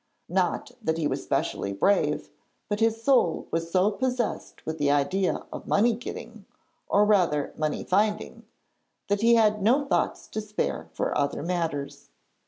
Not that he was specially brave, but his soul was so possessed with the idea of money getting or, rather, money finding that he had no thoughts to spare for other matters.